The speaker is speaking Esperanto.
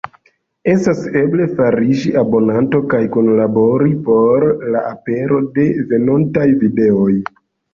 Estas eble fariĝi abonanto kaj kunlabori por la apero de venontaj videoj.